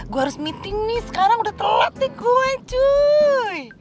gue harus meeting nih sekarang udah telat nih gue cuy